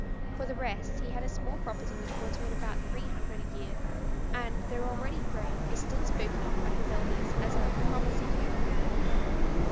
For the rest, he had a small property which brought him in about three hundred a year, and, though already grey, was still spoken of by his elders as a "promising young man."